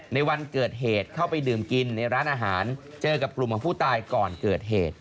ในวันเกิดเหตุเข้าไปดื่มกินในร้านอาหารเจอกับกลุ่มของผู้ตายก่อนเกิดเหตุ